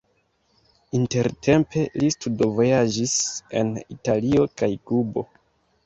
Intertempe li studvojaĝis en Italio kaj Kubo.